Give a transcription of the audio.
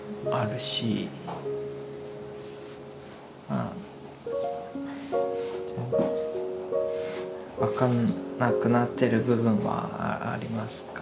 まあ分かんなくなってる部分はあります。